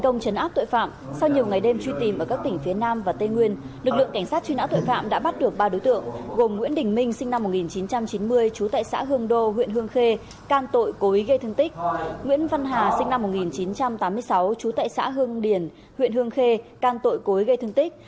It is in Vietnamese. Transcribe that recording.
nguyễn văn hà sinh năm một nghìn chín trăm tám mươi sáu chú tại xã hương điền huyện hương khê can tội cối gây thương tích